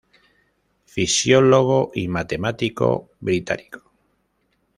Fisiólogo y matemático británico.